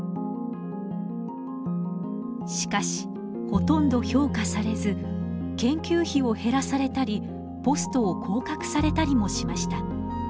しかしほとんど評価されず研究費を減らされたりポストを降格されたりもしました。